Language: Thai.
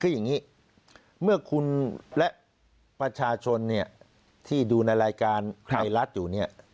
ก็อย่างนี้เมื่อคุณและประชาชนที่ดูในรายการไทรลัศน์อยู่